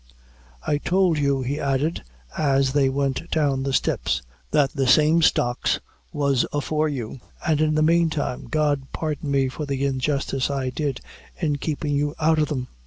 "I tould you," he added, as they went down the steps, "that the same stocks was afore you; an' in the mane time, God pardon me for the injustice I did in keepin' you out o' them."